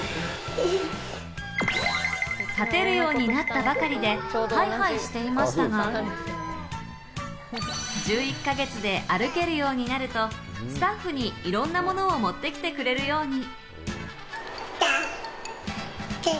立てるようになったばかりで、ハイハイしていましたが、１１か月で歩けるようになるとスタッフにいろんなものを持ってきてくれるように。